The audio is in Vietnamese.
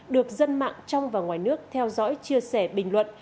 được dân mạng trong và ngoài nước theo dõi chia sẻ bình luận